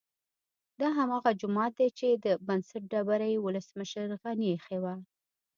دا هماغه جومات دی چې د بنسټ ډبره یې ولسمشر غني ايښې وه